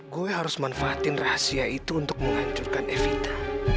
gue harus manfaatin rahasia itu untuk menghancurkan evita